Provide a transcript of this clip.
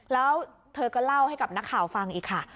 แล้วเธอก็เล่าให้กับนักข่าวฟังอีกค่ะ